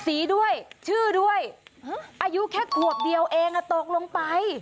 ด้วยชื่อด้วยอายุแค่ขวบเดียวเองตกลงไป